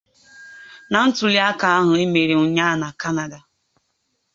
Na ntụli aka ahụ e mere ụnyaa na Kanada